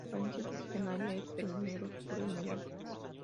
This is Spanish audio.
La apariencia física de Aria es pelo negro oscuro y muy alta.